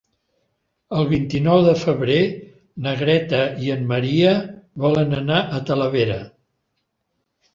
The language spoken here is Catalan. El vint-i-nou de febrer na Greta i en Maria volen anar a Talavera.